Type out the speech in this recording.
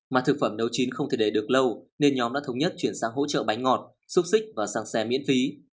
mà thực phẩm nấu chín không thể để được lâu nên nhóm đã thống nhất chuyển sang hỗ trợ bánh ngọt xúc xích và sang xe miễn phí